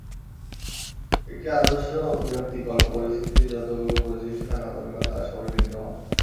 একটি আদর্শ বিরক্তিকর পরিস্থিতির যতগুলো বৈশিষ্ট্য থাকা দরকার, তার সবই বিদ্যমান।